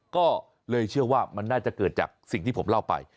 ก็เลยเชื่อว่ามันน่าจะเกิดจากสิ่งที่ผมเล่าไป